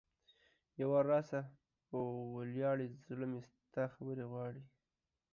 یو وار راسه په ولیاړې ـ زړه مې ستا خبرې غواړي